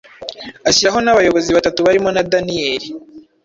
ashyiraho n’abayobozi batatu; barimo na Daniyeli